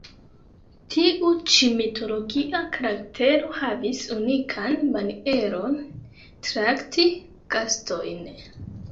Tiu ĉi mitologia karaktero havis unikan manieron, trakti gastojn.